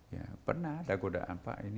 ya pernah ada goda apa ini